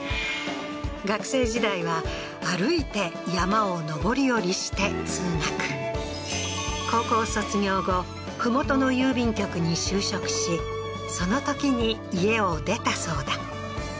学生時代は歩いて山を上り下りして通学高校卒業後麓の郵便局に就職しそのときに家を出たそうだ